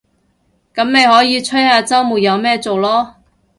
噉咪可以吹下週末有咩做囉